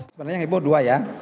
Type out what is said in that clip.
sebenarnya heboh dua ya